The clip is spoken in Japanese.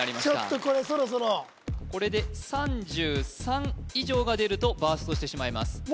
ちょっとこれそろそろこれで３３以上が出るとバーストしてしまいます